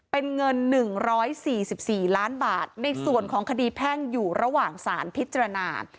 เป็นเงินหนึ่งร้อยสี่สิบสี่ล้านบาทในส่วนของคดีแพงอยู่ระหว่างสารพิจารณา